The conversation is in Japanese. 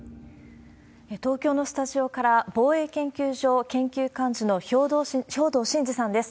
東京のスタジオから、防衛研究所研究幹事の兵頭慎治さんです。